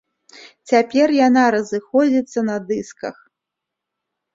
Цяпер яна разыходзіцца на дысках.